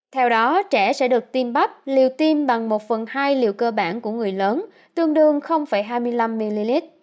theo đó trẻ sẽ được tiêm bắp liều tiêm bằng một phần hai liều cơ bản của người lớn tương đương hai mươi năm ml